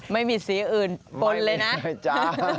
ไม่มีสีอื่นปนเลยนะ